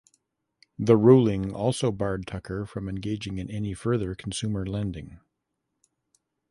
The ruling also barred Tucker from engaging in any further consumer lending.